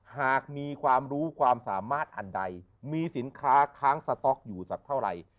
หากมีความรู้ความสามารถอันใดมีสินค้าค้างสต๊อกอยู่สักเท่าไหร่